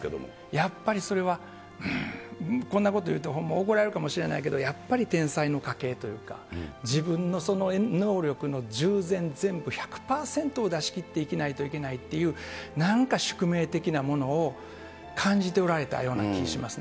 やっぱりそれは、うーん、こんなこと言うと、ほんま怒られるかもしれないけど、やっぱり、天才の家系というか、自分の能力の十全全部１００％を出し切って生きないといけないという、なんか宿命的なものを感じておられたような気がしますね。